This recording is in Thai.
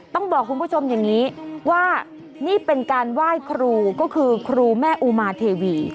ต้องบอกคุณผู้ชมอย่างนี้ว่านี่เป็นการไหว้ครูก็คือครูแม่อุมาเทวี